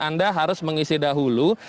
anda harus mengisi dahulu